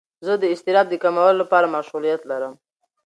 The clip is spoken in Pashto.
زه د اضطراب د کمولو لپاره مشغولیت لرم.